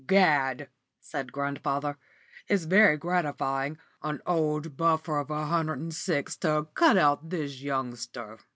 "Gad!" said grandfather, "it's very gratifying an old buffer of a hundred and six to cut out this youngster.